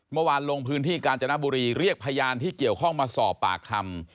เมื่อวานลงพื้นที่กาญจนบุรีเรียกพยานที่เกี่ยวข้องมาสอบปากคำ